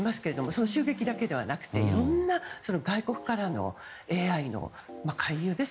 その襲撃だけではなくていろんな外国からのＡＩの加入。